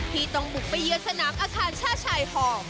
ที่ต้องบุกไปเยือนสนามอาคารชาติชายห่อ